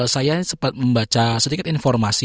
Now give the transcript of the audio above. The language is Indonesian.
saya sempat membaca sedikit informasi